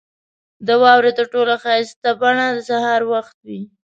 • د واورې تر ټولو ښایسته بڼه د سهار وخت وي.